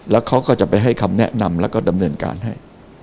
แล้วเขาก็จะไปให้คำแนะนำแล้วก็ดำเนินการให้